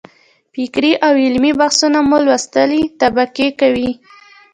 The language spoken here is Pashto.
فکري او علمي بحثونه مو لوستې طبقې کوي.